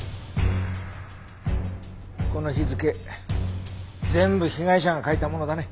この日付全部被害者が書いたものだね。